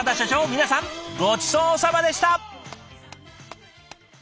皆さんごちそうさまでした。